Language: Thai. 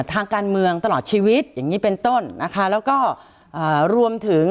ทางการเมืองตลอดชีวิตอย่างงี้เป็นต้นนะคะแล้วก็เอ่อรวมถึง